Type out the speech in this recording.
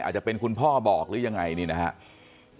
อาจจะเป็นคุณพ่อบอกหรือยังไงนี่นะครับ